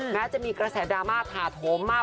แม้จะมีกระแสดราม่าถาโถมมาก